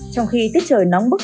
trong khi tiết trời nóng bức